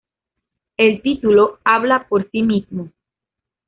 El título habla por sí mismo.